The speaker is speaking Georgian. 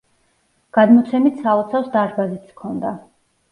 გადმოცემით სალოცავს დარბაზიც ჰქონდა.